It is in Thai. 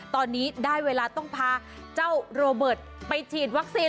ตอนนี้ได้เวลาต้องพาเจ้าโรเบิร์ตไปฉีดวัคซีน